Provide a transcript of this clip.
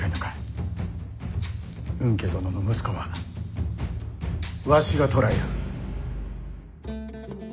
吽慶殿の息子はわしが捕らえる。